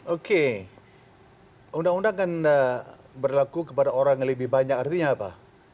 oke undang undang kan berlaku kepada orang yang lebih banyak artinya apa